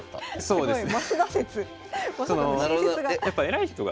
そうですね。